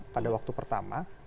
pada waktu pertama